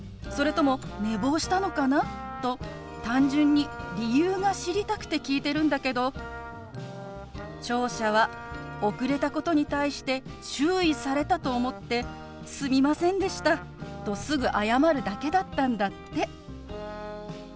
それとも寝坊したのかな？」と単純に理由が知りたくて聞いてるんだけど聴者は遅れたことに対して注意されたと思って「すみませんでした」とすぐ謝るだけだったんだって。